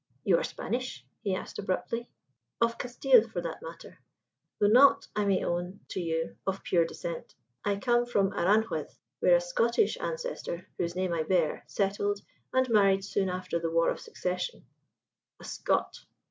"You are Spanish?" he asked abruptly. "Of Castile, for that matter; though not, I may own to you, of pure descent. I come from Aranjuez, where a Scottish ancestor, whose name I bear, settled and married soon after the War of Succession." "A Scot?"